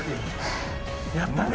やったね。